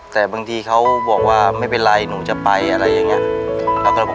แต่บางทีเขาบอกว่าไม่เป็นไรหนูจะไปอะไรอย่างนี้